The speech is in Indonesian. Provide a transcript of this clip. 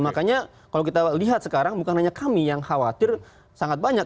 makanya kalau kita lihat sekarang bukan hanya kami yang khawatir sangat banyak